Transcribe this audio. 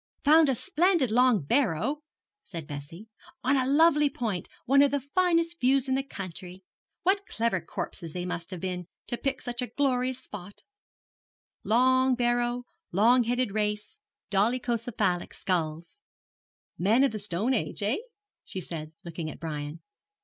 'Found a splendid long barrow,' said Bessie, 'on a lovely point, one of the finest views in the county. What clever corpses they must have been to pick such glorious spots! Long barrow, long headed race, dolichocephalic skulls, men of the stone age, eh?' she said, looking at Brian.